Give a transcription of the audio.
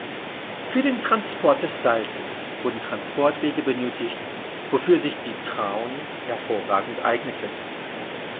Für den Transport des Salzes wurden Transportwege benötigt, wofür sich die Traun hervorragend eignete.